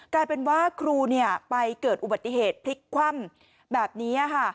กลายเป็นว่าครูไปเกิดอุบัติเหตุพลิกคว่ำแบบนี้ค่ะ